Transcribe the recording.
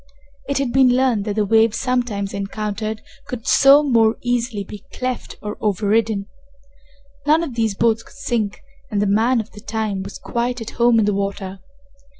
It had been learned that the waves sometimes encountered could so more easily be cleft or overridden. None of these boats could sink, and the man of the time was quite at home in the water.